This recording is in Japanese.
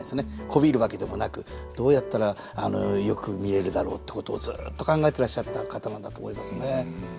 媚びるわけでもなくどうやったらよく見えるだろうってことをずっと考えてらっしゃった方なんだと思いますね。